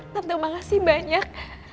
tante makasih banyak